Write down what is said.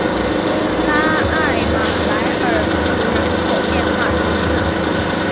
拉艾马莱尔布人口变化图示